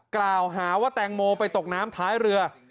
กล่าวหาว่าแตงโมไปตกน้ำท้ายเรือ